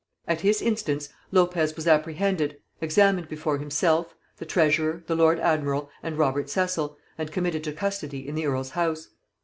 At his instance Lopez was apprehended, examined before himself, the treasurer, the lord admiral, and Robert Cecil, and committed to custody in the earl's house.